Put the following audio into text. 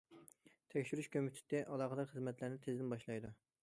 تەكشۈرۈش كومىتېتى ئالاقىدار خىزمەتلەرنى تېزدىن باشلايدۇ.